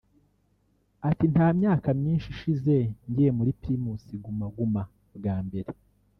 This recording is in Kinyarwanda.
Ati “Nta myaka myinshi ishize ngiye muri Primus Guma Guma bwa mbere